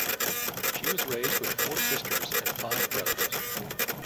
She was raised with four sisters and five brothers.